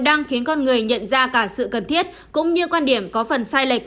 đang khiến con người nhận ra cả sự cần thiết cũng như quan điểm có phần sai lệch